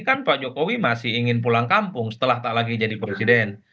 kan pak jokowi masih ingin pulang kampung setelah tak lagi jadi presiden